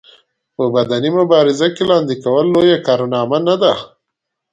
په بدني مبارزه کې لاندې کول لويه کارنامه نه ده.